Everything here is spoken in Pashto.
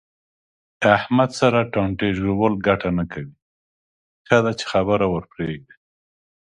احمد سره ټانټې ژول گټه نه کوي. ښه ده چې خبره ورپرېږدې.